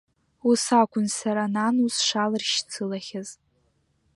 Ус акәын сара нану сшалыршьцылахьаз.